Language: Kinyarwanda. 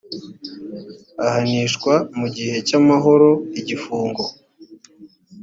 ahanishwa mu gihe cy amahoro igifungo